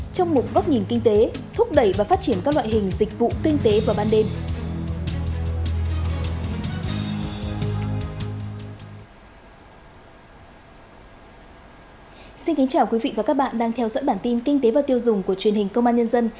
trong một góc nhìn kinh tế thúc đẩy và phát triển các loại hình dịch vụ kinh tế vào ban đêm